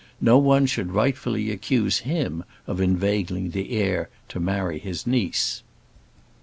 No one should rightfully accuse him of inveigling the heir to marry his niece.